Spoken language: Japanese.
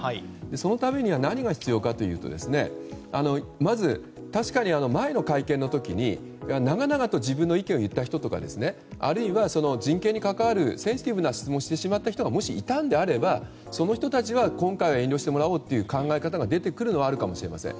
そのためには何が必要かというと確かに前の会見の時に長々と自分の意見を言った人とかあるいは、人権に関わるセンシティブな質問をしてしまった人がもしいたのであればその人たちは今回は遠慮してもらおうという考え方が出てくるということはあるかもしれません。